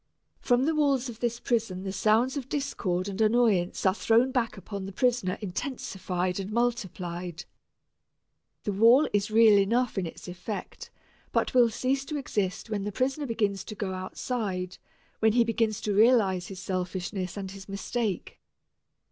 From the walls of this prison the sounds of discord and annoyance are thrown back upon the prisoner intensified and multiplied. The wall is real enough in its effect, but will cease to exist when the prisoner begins to go outside, when he begins to realize his selfishness and his mistake.